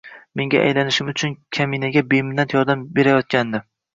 Unga aylanishim uchun kaminaga beminnat yordam berayotgandi.